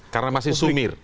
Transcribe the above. karena masih sumir